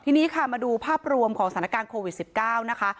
ทีนี้ค่ะมาดูภาพรวมของสถานการณ์โควิด๑๙นะคะ